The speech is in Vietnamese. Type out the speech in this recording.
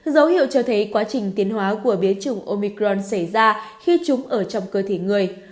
dấu hiệu cho thấy quá trình tiến hóa của biến chủng omicron xảy ra khi chúng ở trong cơ thể người